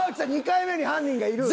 ２回目に犯人がいる？